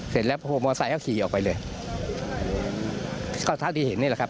เสร็จแล้วมอไซค์ก็ขี่ออกไปเลยก็เท่าที่เห็นนี่แหละครับ